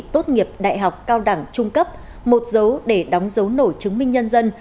tốt nghiệp đại học cao đẳng trung cấp một dấu để đóng dấu nổi chứng minh nhân dân